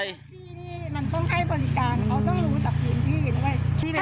ที่นี่ก็ต้องให้บริการ